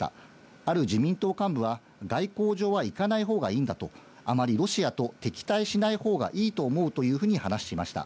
ある自民党幹部は外交上は行かないほうがいいんだと、あまりロシアと敵対しないほうがいいと思うというふうに話していました。